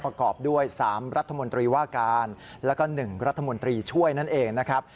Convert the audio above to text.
ประกอบด้วย๓รัฐมนตรีว่าการแล้วก็๑รัฐมนตรีช่วยนั่นเองนะครับ